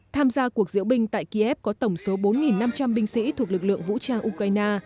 tham gia cuộc diễu binh tại kiev có tổng số bốn năm trăm linh binh sĩ thuộc lực lượng vũ trang ukraine